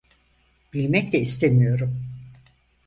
Bilmek de istemiyorum.